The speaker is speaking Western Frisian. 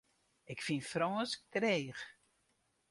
Ik fyn Frânsk dreech.